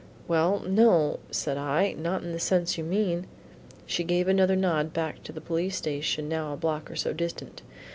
"Well, no," said I, "not in the sense you mean." She gave another nod back to the police station now a block or so distant.